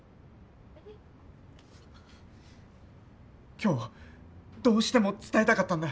今日どうしても伝えたかったんだ。